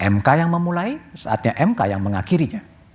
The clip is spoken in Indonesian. mk yang memulai saatnya mk yang mengakhirinya